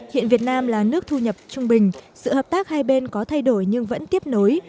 hiện việt nam là nước thu nhập trung bình sự hợp tác hai bên có thay đổi nhưng vẫn tiếp nối